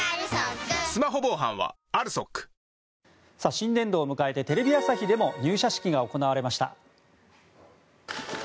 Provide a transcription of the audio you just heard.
新年度を迎えてテレビ朝日でも入社式が行われました。